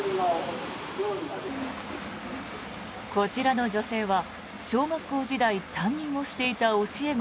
こちらの女性は、小学校時代担任をしていた教え子